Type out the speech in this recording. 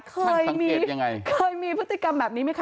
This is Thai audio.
เคยมีพฤติกรรมแบบนี้ไหมคะ